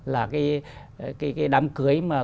là cái đám cưới mà